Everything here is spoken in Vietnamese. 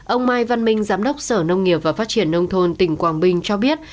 ông mai văn minh giám đốc sở nông nghiệp và phát triển nông thôn tỉnh quảng bình cho biết